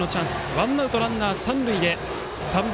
ワンアウトランナー、三塁で３番